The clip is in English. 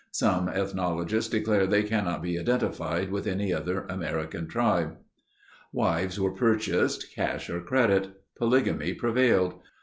Some ethnologists declare they cannot be identified with any other American tribe. Wives were purchased, cash or credit. Polygamy prevailed.